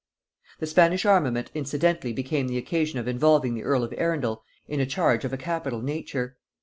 The Spanish armament incidentally became the occasion of involving the earl of Arundel in a charge of a capital nature.